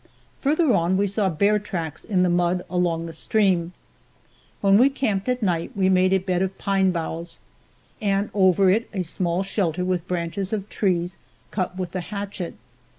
Further on we saw bear tracks in the mud along the stream. When we camped at night we made a bed of pine boughs, and over it a small shelter with branches of trees cut with the hatchet.